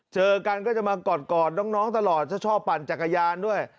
เจอกันก็จะมากอดน้องตลอดถ้าชอบปั่นจักรยานด้วย